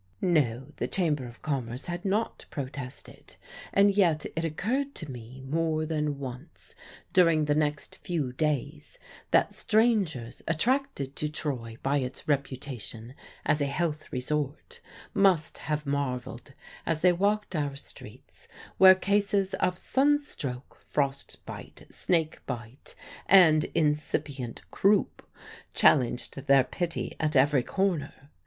No; the Chamber of Commerce had not protested. And yet it occurred to me more than once during the next few days that strangers attracted to Troy by its reputation as a health resort must have marvelled as they walked our streets, where cases of sunstroke, frost bite, snake bite, and incipient croup challenged their pity at every corner.